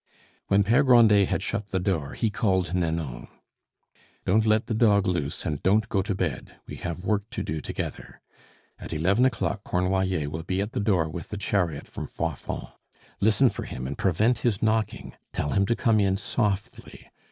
When Pere Grandet had shut the door he called Nanon. "Don't let the dog loose, and don't go to bed; we have work to do together. At eleven o'clock Cornoiller will be at the door with the chariot from Froidfond. Listen for him and prevent his knocking; tell him to come in softly.